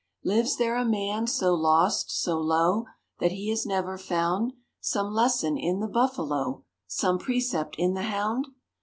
= Lives there a man so lost, so low, `That he has never found Some lesson in the Buffalo, `Some precept in the Hound?